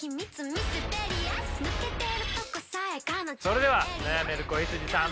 それでは悩める子羊さん。